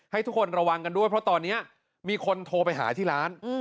ให้ทุกคนระวังกันด้วยเพราะตอนนี้มีคนโทรไปหาที่ร้าน